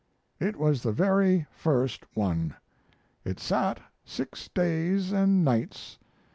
It was the very first one. It sat six days and nights.